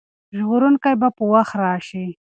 ژغورونکی به په وخت راشي.